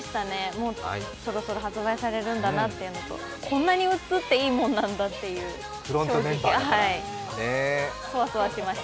もうそろそろ発売されるんだなというのと、こんなに映っていいんだなっていうのでそわそわしました。